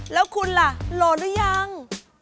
แล้วคุณล่ะโหลดหรือยัง